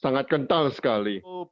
sangat kental sekali